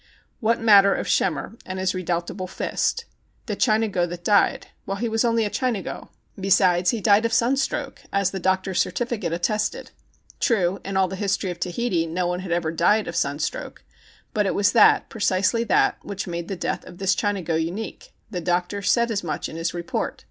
What matter of Schemmer and his redoubtable THE CHINAGO 163 fist ? The Chinago that died ? Well, he was only a Chinago. Besides, he died of sunstroke, as the doctor's certificate attested. True, in all the history of Tahiti no one had ever died of sunstroke. But it was that, precisely that, which made the death of this Chinago unique. The doctor said as much in his report.